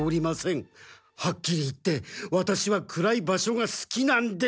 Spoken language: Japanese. はっきり言ってワタシは暗い場所がすきなんです！